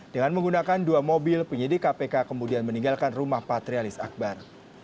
dengan menggunakan dua mobil penyidik kpk kemudian meninggalkan rumah patrialis akbar